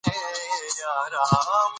موږ باید خپله ژبه په سمه توګه وکاروو